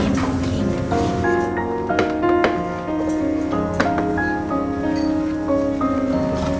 yaudah habis ini kita makan ya